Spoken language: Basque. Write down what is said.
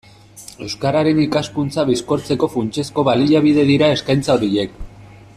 Euskararen ikaskuntza bizkortzeko funtsezko baliabide dira eskaintza horiek.